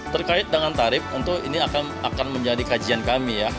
terkait dengan tarif untuk ini akan menjadi kajian kami ya